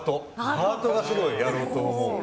ハートがすごい、やろうと思う。